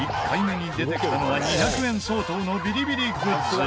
１回目に出てきたのは２００円相当のビリビリグッズ。